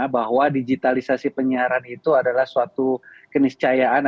bahwa digitalisasi penyiaran itu adalah suatu keniscayaan